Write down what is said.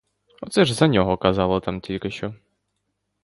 Оце ж за нього казали там тільки що!